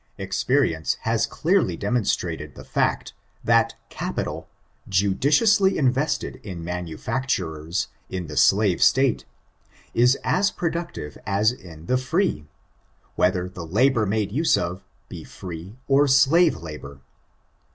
Experience has clearly demon strated the &ct, that capital, judiciously invested in manufactures, in the slave State, is as productive as in the free, whether the labor made use of be free or slave labor.